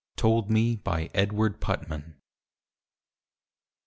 Told me by Edward Putman.